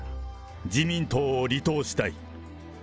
自民党を離党したい。